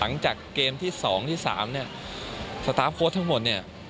หลังจากเกมที่๒ที่๓สตาร์ฟโค้ดทั้งหมด